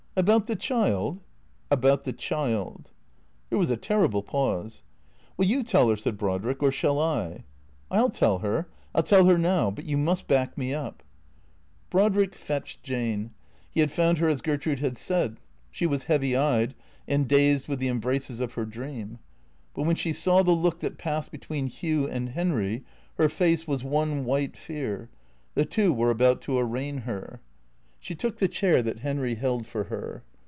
" About the child ?"" About the child." There was a terrible pause. " Will you tell her," said Brodrick, " or shall I ?"" I '11 tell her. I '11 tell her now. But you must back me up." 402 THECKEATOES Brodriek fetched Jane. He had found her as Gertrude had said. She was heavy eyed, and dazed with the embraces of her dream. But when she saw the look that passed between Hugh and Henry her face was one white fear. The two were about to arraign her. She took the chair that Henry held for her.